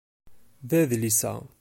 D adlis-a.